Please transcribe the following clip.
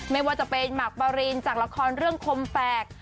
ไม่ว่าจะเป็นหมากบารินจากละครเรื่องคมแฝก